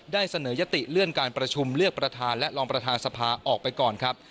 เสนอยติเลื่อนการประชุมเลือกประธานและรองประธานสภาออกไปก่อนครับ